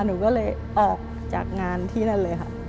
หนูก็เลยออกจากงานที่นั่นเลยค่ะ